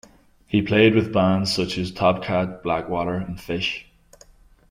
He played with bands such as Top Kat, Blackwater, and Fish.